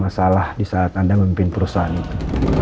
dan setelah saya melihat track record anda